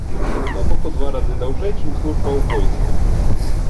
То бок у два разы даўжэй, чым служба ў войску.